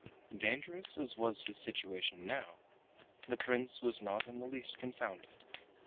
Dangerous as was his situation now, the Prince was not in the least confounded.